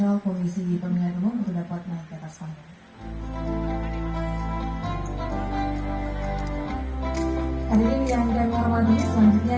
hari ini yang akan merawat di selanjutnya